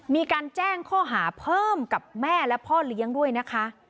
มีการแจ้งข้อหาเพิ่มกับแม่และพ่อเลี้ยงด้วยนะคะ